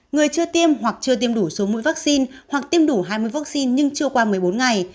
người chưa tiêm hoặc chưa tiêm đủ số mũi vaccine hoặc tiêm đủ hai mươi vaccine nhưng chưa qua một mươi bốn ngày